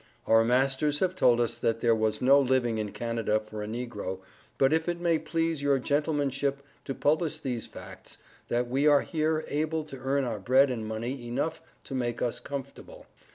Our masters have told us that there was no living in Canada for a Negro but if it may Please your gentlemanship to publish these facts that we are here able to earn our bread and money enough to make us comftable.